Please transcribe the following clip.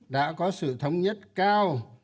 đã có sự thống nhất cao